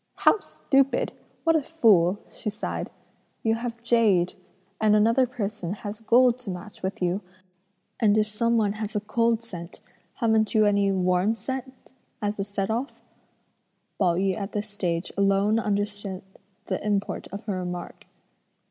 "How stupid! what a fool!" she sighed; "you have jade, and another person has gold to match with you, and if some one has 'cold' scent, haven't you any 'warm' scent as a set off?" Pao yü at this stage alone understood the import of her remark.